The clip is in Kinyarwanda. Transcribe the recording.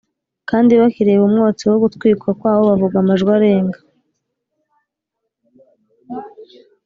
kandi bakireba umwotsi wo gutwikwa kwawo bavuga amajwi arenga